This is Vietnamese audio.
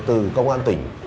từ công an tỉnh